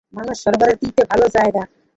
মানস-সরোবরের তীরটা ভালো জায়গা।